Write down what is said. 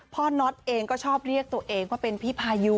น็อตเองก็ชอบเรียกตัวเองว่าเป็นพี่พายุ